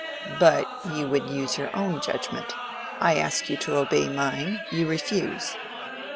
"But you would use your own judgment: I ask you to obey mine; you refuse."